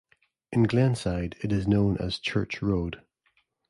In Glenside, it is known as Church Road.